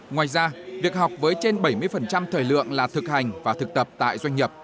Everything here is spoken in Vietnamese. ngoài ra việc học với trên bảy mươi thời lượng là thực hành và thực tập tại doanh nghiệp